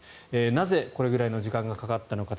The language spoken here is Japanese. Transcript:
なぜ、これくらいの時間がかかったのか。